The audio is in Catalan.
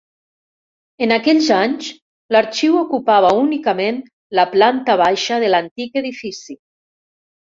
En aquells anys l'Arxiu ocupava únicament la planta baixa de l'antic edifici.